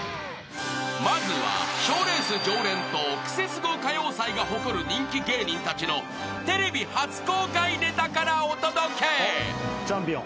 ［まずは賞レース常連とクセスゴ歌謡祭が誇る人気芸人たちのテレビ初公開ネタからお届け］